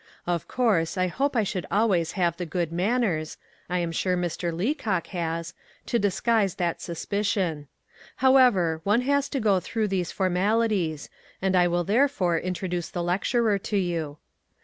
Of course I hope I should always have the good manners I am sure Mr. Leacock has to disguise that suspicion. However, one has to go through these formalities, and I will therefore introduce the lecturer to you.